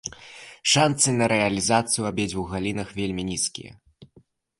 Шанцы на рэалізацыю ў абедзвюх галінах вельмі нізкія.